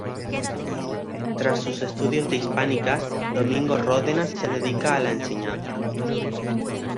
Tras sus estudios de hispánicas, Domingo Ródenas se dedica a la enseñanza.